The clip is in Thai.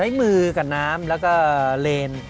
มือกับน้ำแล้วก็เลน